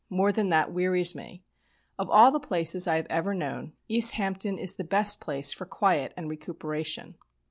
More than that wearies me. Of all the places I have ever known East Hampton is the best place for quiet and recuperation.